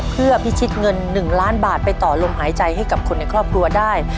เพื่อพิชิตเงิน๑ล้านบาทไปต่อลมหายใจให้กับคนในครอบครัวได้